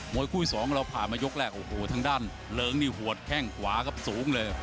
มวยคู่๒เราผ่านไปยกแล็กโหทางด้านเหลิงดิหัวแข้งขวากับสูงเลย